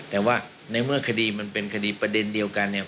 แต่ว่าในเมื่อคดีมันเป็นคดีประเด็นเดียวกันเนี่ย